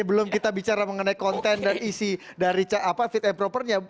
sebelum kita bicara mengenai konten dan isi dari fit and propernya